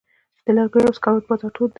د لرګیو او سکرو بازار تود دی؟